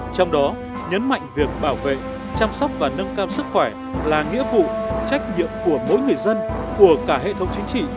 trong đó nhấn mạnh việc bảo vệ chăm sóc và nâng cao sức khỏe là nghĩa vụ trách nhiệm của mỗi người dân của cả hệ thống chính trị